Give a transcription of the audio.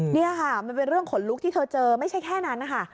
นี่ค่ะมันเป็นเรื่องขนลุกที่เธอเจอไม่ใช่แค่นั้นนะคะ